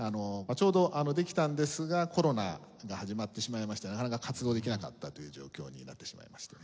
ちょうどできたんですがコロナが始まってしまいましてなかなか活動できなかったという状況になってしまいまして。